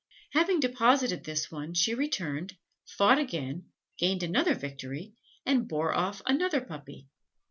Having deposited this one, she returned, fought again, gained another victory, and bore off another puppy.